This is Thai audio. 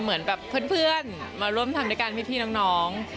เหมือนแบบเพื่อนมาร่วมทำด้วยกันพี่น้อง